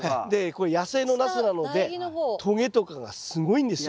これ野生のナスなのでとげとかがすごいんですよ。